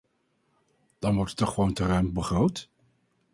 Dan wordt er toch gewoon te ruim begroot?